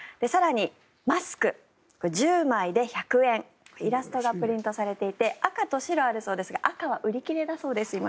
更にマスク、１０枚で１００円イラストがプリントされていて赤と白あるそうですが赤は売り切れだそうです。